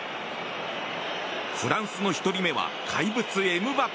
フランスの１人目は怪物、エムバペ。